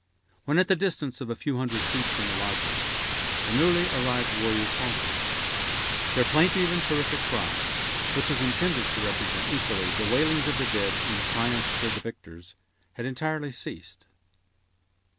When at the distance of a few hundred feet from the lodges the newly arrived warriors halted. Their plaintive and terrific cry, which was intended to represent equally the wailings of the dead and the triumph to the victors, had entirely ceased.